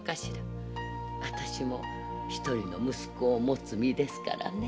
私もひとりの息子を持つ身ですからね。